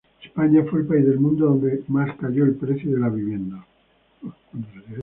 España fue el país del mundo donde más cayó el precio de la vivienda.